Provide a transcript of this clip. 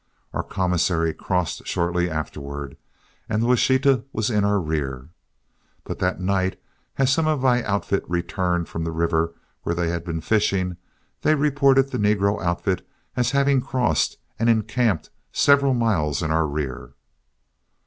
Our commissary crossed shortly afterward, and the Washita was in our rear. But that night, as some of my outfit returned from the river, where they had been fishing, they reported the negro outfit as having crossed and encamped several miles in our rear.